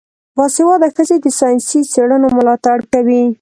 باسواده ښځې د ساینسي څیړنو ملاتړ کوي.